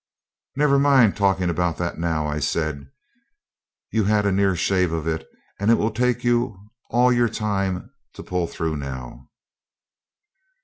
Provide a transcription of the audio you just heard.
'Never mind talking about that now,' I said. 'You had a near shave of it, and it will take you all your time to pull through now.'